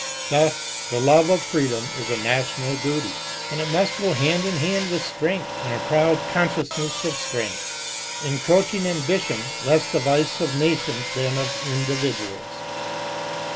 Thus, the love of freedom is a national duty, and it must go hand in hand with strength, and a proud consciousness of strength. Encroaching ambition less the vice of nations than of individuals.